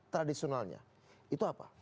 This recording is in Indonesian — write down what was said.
tradisionalnya itu apa